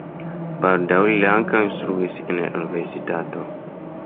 Baldaŭe li ankaŭ instruis en la universitato.